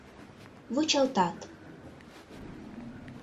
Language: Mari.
Вучалтат.